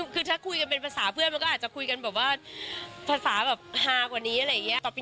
คือถ้าคุยกันเป็นภาษาเพื่อนมันก็อาจจะคุยกันแบบว่าภาษาแบบฮากว่านี้อะไรอย่างนี้